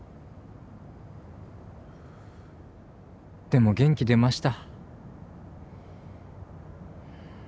でも元気出ました。